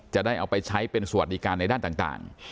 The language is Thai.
จะได้เอาไปใช้เป็นสวัสดิการในด้านต่าง